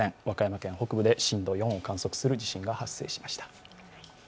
和歌山県北部で震度４を観測する地震がありました。